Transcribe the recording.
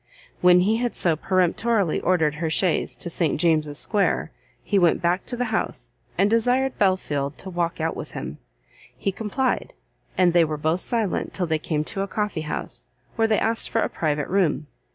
When he had so peremptorily ordered her chaise to St James's square, he went back to the house, and desired Belfield to walk out with him. He complied, and they were both silent till they came to a Coffee house, where they asked for a private room.